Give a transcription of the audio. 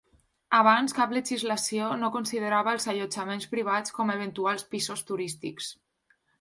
Abans, cap legislació no considerava els allotjaments privats com a eventuals pisos turístics.